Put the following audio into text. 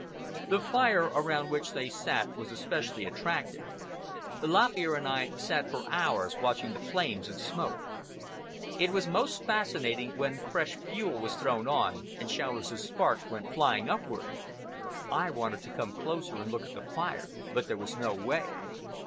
The fire around which they sat was especially attractive. Lop Ear and I sat for hours, watching the flames and smoke. It was most fascinating when fresh fuel was thrown on and showers of sparks went flying upward. I wanted to come closer and look at the fire, but there was no way.